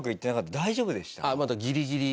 大丈夫でした？